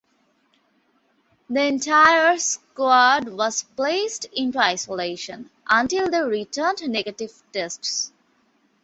The entire squad was placed into isolation until they returned negative tests.